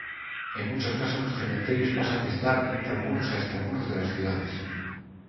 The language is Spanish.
En muchos casos los cementerios pasan de estar intramuros a extramuros de las ciudades.